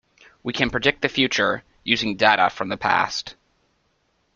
We can predict the future, using data from the past.